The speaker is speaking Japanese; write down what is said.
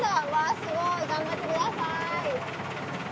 すごい頑張ってください。